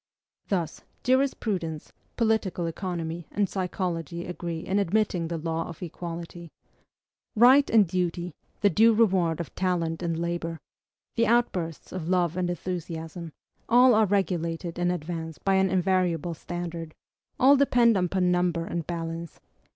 Thus, jurisprudence, political economy, and psychology agree in admitting the law of equality. Right and duty the due reward of talent and labor the outbursts of love and enthusiasm, all are regulated in advance by an invariable standard; all depend upon number and balance.